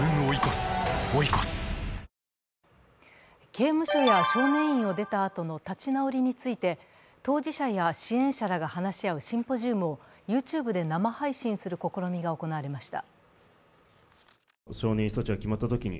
刑務所や少年院を出たあとの立ち直りについて当事者や支援者らが話し合うシンポジウムをＹｏｕＴｕｂｅで生配信する試みが行われました。